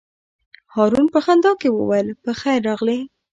هارون په خندا کې وویل: په خیر راغلې.